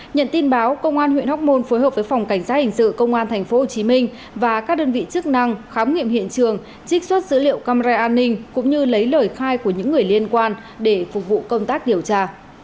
nhận tin báo công an huyện hóc môn phối hợp với phòng cảnh sát hình sự công an tp hcm và các đơn vị chức năng khám nghiệm hiện trường trích xuất dữ liệu camera an ninh cũng như lấy lời khai của những người liên quan để phục vụ công tác điều tra